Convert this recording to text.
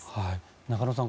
中野さん